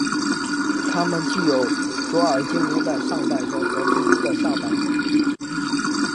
他们具有卓尔精灵的上半身和蜘蛛的下半身。